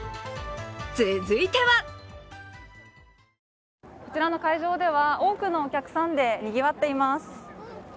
続いてはこちらの会場では多くのお客さんでにぎわっています。